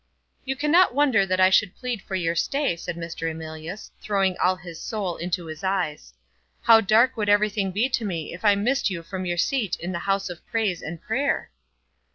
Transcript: "You cannot wonder that I should plead for your stay," said Mr. Emilius, throwing all his soul into his eyes. "How dark would everything be to me if I missed you from your seat in the house of praise and prayer!"